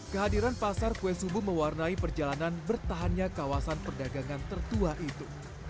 kehadiran pasar kue subuh mewarnai perjalanan bertahannya kawasan perdagangan tertua itu